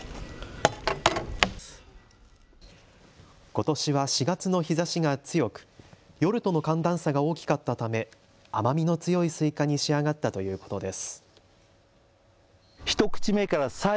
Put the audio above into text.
ことしは４月の日ざしが強く夜との寒暖差が大きかったため甘みの強いスイカに仕上がったということです。